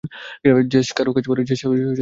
JS কারুকাজ পারে।